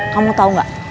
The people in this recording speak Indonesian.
kamu tahu nggak